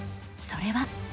それは。